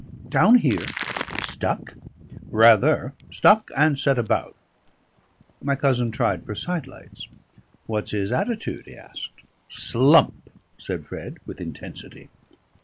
"Down here? Stuck?" "Rather. Stuck and set about." My cousin tried for sidelights. "What's his attitude?" he asked. "Slump," said Fred with intensity.